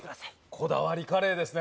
こだわりカレーですね